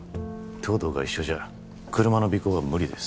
東堂が一緒じゃ車の尾行は無理です